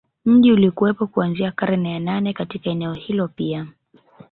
Mji ulikuwepo kuanzia karne ya nane Katika eneo hilo pia